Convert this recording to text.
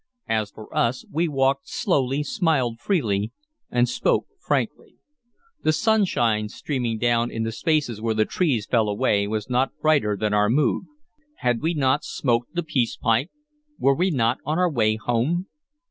As for us, we walked slowly, smiled freely, and spoke frankly. The sunshine streaming down in the spaces where the trees fell away was not brighter than our mood. Had we not smoked the peace pipe? Were we not on our way home?